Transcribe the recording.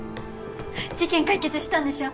事件解決したんでしょ！？